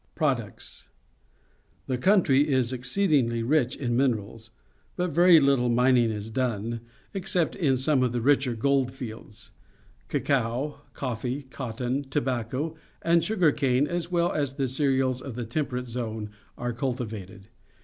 Products. — The country is exceedingly rich in minerals, but very Uttle mining is done, except in some of the richer gold fields. Cacao, coffee, cotton, tobacco, and sugar cane, as well as the cereals of the Temperate Zone, are cultivated.